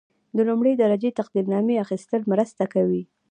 د لومړۍ درجې تقدیرنامې اخیستل مرسته کوي.